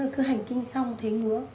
cứ hành kinh xong thấy ngứa